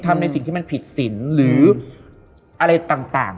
มาทำในสิ่งที่มันผิดศิรรย์หรืออะไรต่าง